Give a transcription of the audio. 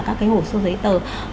các cái hồ sơ giấy tờ